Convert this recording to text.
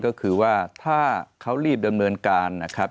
ก็คือว่าถ้าเขารีบดำเนินการนะครับ